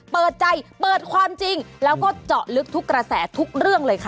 เปิดใจเปิดความจริงแล้วก็เจาะลึกทุกกระแสทุกเรื่องเลยค่ะ